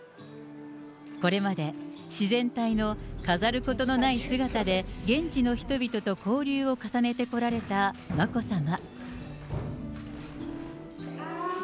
これまで自然体の飾ることのない姿で、現地の人々と交流を重ねてこられた眞子さま。